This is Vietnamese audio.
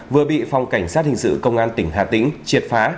vừa bị phòng cảnh sát hình sự công an tỉnh hà tĩnh